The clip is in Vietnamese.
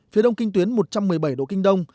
phía đông kinh tuyến một trăm một mươi bảy độ kinh đông